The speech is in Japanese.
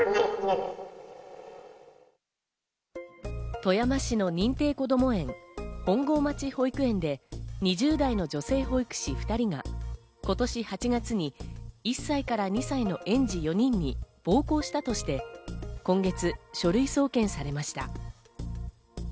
富山市の認定こども園、本郷町保育園で２０代の女性保育士２人が今年８月に１歳から２歳の園児４人に暴行したとして、今月書類送検されました。